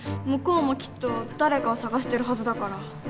向こうもきっと誰かを探してるはずだから。